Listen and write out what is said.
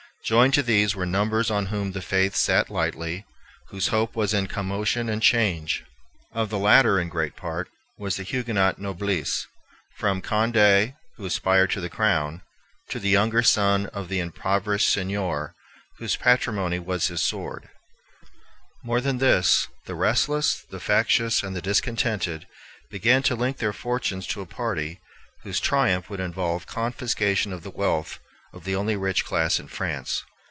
Joined to these were numbers on whom the faith sat lightly, whose hope was in commotion and change. Of the latter, in great part, was the Huguenot noblesse, from Conde, who aspired to the crown, "Ce petit homme tant joli, Qui toujours chante, toujours rit," to the younger son of the impoverished seigneur whose patrimony was his sword. More than this, the restless, the factious, and the discontented, began to link their fortunes to a party whose triumph would involve confiscation of the wealth of the only rich class in France.